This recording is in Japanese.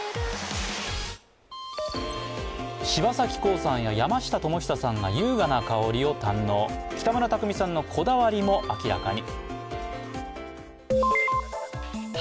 柴咲コウさんや山下智久さんが優雅な香りを堪能、北村匠海さんのこだわりも明らかに。